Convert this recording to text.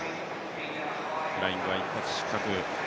フライングは一発失格。